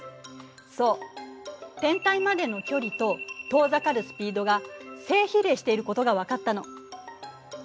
そう天体までの距離と遠ざかるスピードが正比例していることが分かったの。